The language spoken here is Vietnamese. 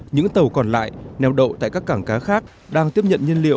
những tàu còn lại neo đậu tại các cảng cá khác đang tiếp nhận nhiên liệu